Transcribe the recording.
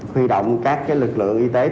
huy động các lực lượng y tế tư nhân